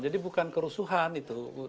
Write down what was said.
jadi bukan kerusuhan itu